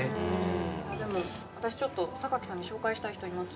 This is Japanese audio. でも私ちょっと酒木さんに紹介したい人います。